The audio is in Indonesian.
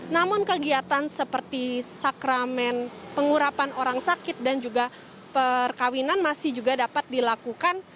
namun kegiatan seperti sakramen pengurapan orang sakit dan juga perkawinan masih juga dapat dilakukan